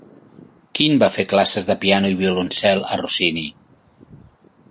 Quin va fer classes de piano i violoncel a Rossini?